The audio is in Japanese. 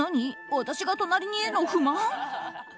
私が隣にいるの不満？